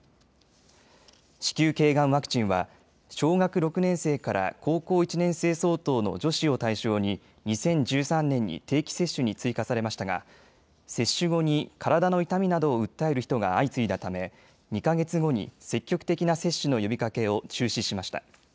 子宮けいがんワクチンは小学６年生から高校１年生相当の女子を対象に２０１３年に定期接種に追加されましたが接種後に体の痛みなどを訴える人が相次いだため、２か月後に積極的な接種の呼びかけを中止しました。